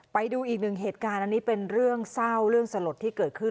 ไปดูอีกหนึ่งเหตุการณ์อันนี้เป็นเรื่องเศร้าเรื่องสลดที่เกิดขึ้น